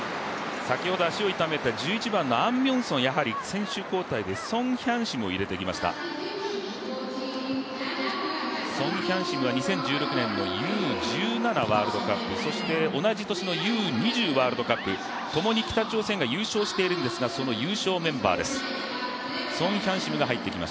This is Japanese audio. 先ほど足を痛めた１１番のアン・ミョンソン、選手交代でソン・ヒャンシムを入れてきましたソン・ヒャンシムは２０１６年のＵー１７ワールドカップ、そして同じ年のＵ−２０ワールドカップともに北朝鮮が優勝しているんですが、その優勝メンバーです。